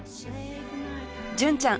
純ちゃん